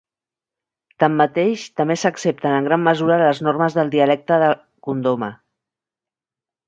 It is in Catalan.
Tanmateix, també s'accepten en gran mesura les normes del dialecte de Kondoma.